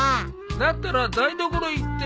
だったら台所へ行ってこい。